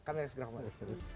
kami segera kembali